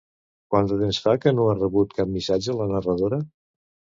Quant de temps fa que no ha rebut cap missatge la narradora?